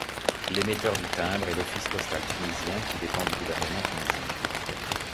L'émetteur du timbre est l'Office postal tunisien qui dépend du gouvernement tunisien.